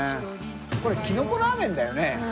これキノコラーメンだよね？